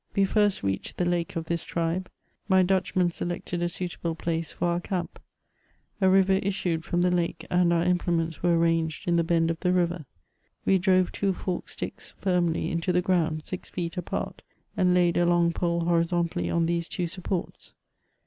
We first reached the lake of this tribe. My Dutchman selected a suitable place for our camp. A river issued from the lake, and our implements were arranged in the bend of the river. We drove two forked sticks firmly into the ground, six feet apart, and laid a long pole hori zontally on these two supports.